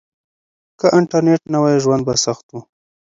که انټرنيټ نه وای ژوند به سخت و.